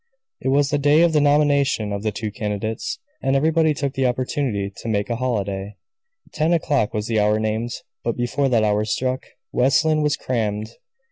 It was the day of the nomination of the two candidates, and everybody took the opportunity to make a holiday. Ten o'clock was the hour named; but, before that hour struck, West Lynne was crammed.